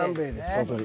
そのとおり。